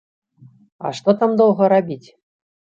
А што там доўга рабіць?